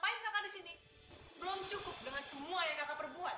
hai ngapain di sini belum cukup dengan semua yang aku perbuat